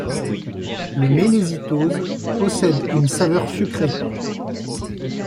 Le mélézitose possède une saveur sucrée.